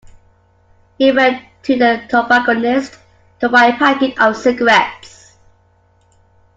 He went to the tobacconists to buy a packet of cigarettes